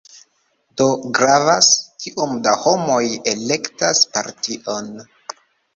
Do gravas, kiom da homoj elektas partion.